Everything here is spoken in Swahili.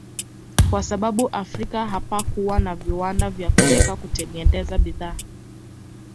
Kwa sababu Afrika hapakuwa na viwanda vya kuweza kutengeneza bidhaa